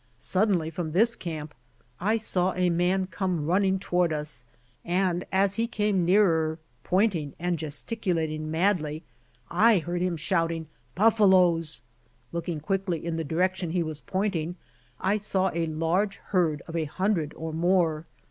Suddenly from this 24 BUFFALO COUNTRY 25 camp I saw a man come running toward us, and as he came nearer, pointing and gesticulating madly, I heard him shouting "buffaloes." Looking quickly in the direction he was pointing, I saw a large herd of a hundred or more.